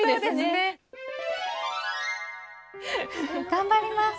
頑張ります。